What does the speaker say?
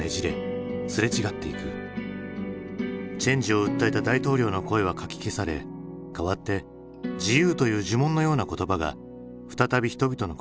チェンジを訴えた大統領の声はかき消され代わって「自由」という呪文のような言葉が再び人々の心を捉え始めていた。